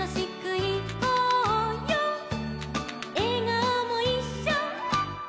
「えがおもいっしょ」